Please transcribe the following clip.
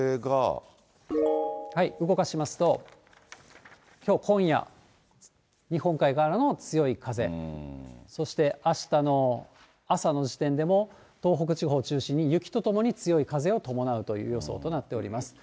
動かしますと、今夜、日本海からの強い風。そしてあしたの朝の時点でも、東北地方中心に雪とともに強い風を伴うという予想となっております。